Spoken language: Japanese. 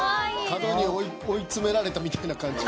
角に追い詰められたみたいな感じ。